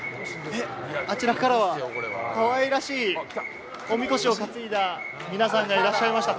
あちらからはかわいらしい、おみこしを担いだ皆さんがいらっしゃいました。